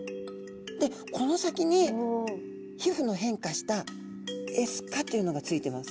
でこの先に皮膚の変化したエスカというのが付いてます。